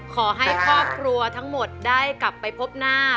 ขอให้ครอบครัวทั้งหมดได้กลับไปพบหน้า